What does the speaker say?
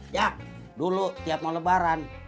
ya dulu tiap mau lebaran